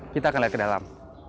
kita akan lihat ke dalam